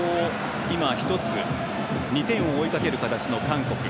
２点を追いかける形の韓国。